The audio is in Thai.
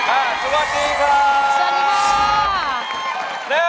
ร้องได้ให้ร้าง